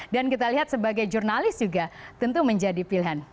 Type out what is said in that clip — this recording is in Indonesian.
dan kita lihat sebagai jurnalis juga tentu menjadi pilihan